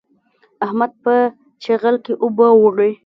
احمد په چيغل کې اوبه وړي.